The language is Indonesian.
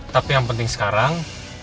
tapi yang penting sekarang